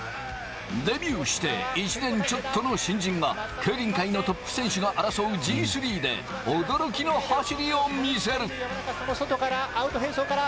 デビューして１年ちょっとの新人が競輪界のトップ選手が争うＧ３で驚きの走りを見せる。